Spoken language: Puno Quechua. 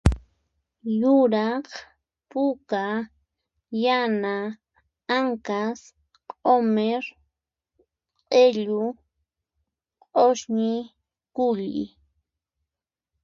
Yuraq, puka, yana, anqas, q'umir, q'illu, qhosñi, k'ulli